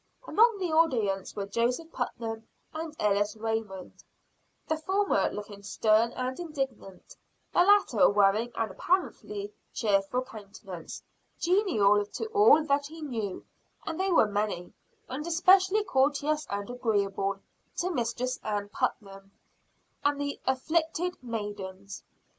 Among the audience were Joseph Putnam and Ellis Raymond; the former looking stern and indignant, the latter wearing an apparently cheerful countenance, genial to all that he knew, and they were many; and especially courteous and agreeable to Mistress Ann Putnam, and the "afflicted" maidens.